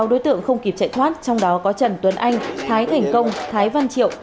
sáu đối tượng không kịp chạy thoát trong đó có trần tuấn anh thái thành công thái văn triệu